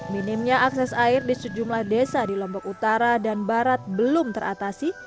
minimnya akses air di sejumlah desa di lombok utara dan barat belum teratasi